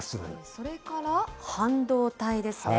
それから半導体ですね。